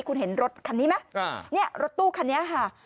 คุณเห็นรถคันนี้ไหมเนี่ยรถตู้คันนี้ค่ะ